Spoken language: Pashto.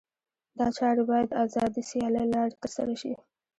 دا چارې باید د آزادې سیالۍ له لارې ترسره شي.